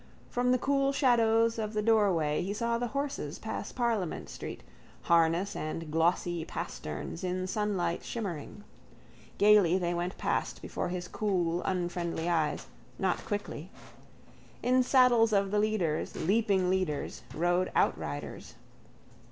From the cool shadow of the doorway he saw the horses pass Parliament street, harness and glossy pasterns in sunlight shimmering. Gaily they went past before his cool unfriendly eyes, not quickly. In saddles of the leaders, leaping leaders, rode outriders.